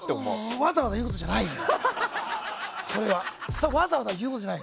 わざわざ言うことじゃないよ。